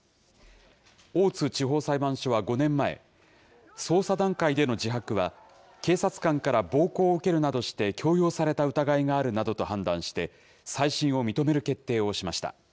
大津地方裁判所は５年前、捜査段階での自白は警察官から暴行を受けるなどして強要された疑いがあるなどと判断して、再審を認める決定をしました。